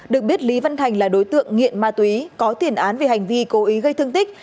được biết lý văn thành là đối tượng nghiện ma túy có tiền án về hành vi cố ý gây thương tích